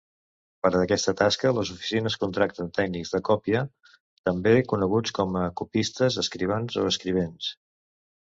Per aquesta tasca les oficines contracten tècnics de còpia, també coneguts com a copistes, escrivans o escrivents.